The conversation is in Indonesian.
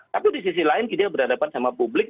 tapi di sisi lain dia berhadapan sama publik